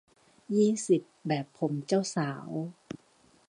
ยี่สิบ แบบผมเจ้าสาว